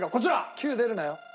９出るなよ。